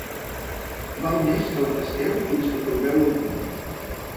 Val més que la tasteu fins que trobeu el punt.